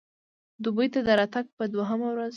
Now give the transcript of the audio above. دوبۍ ته د راتګ په دوهمه ورځ.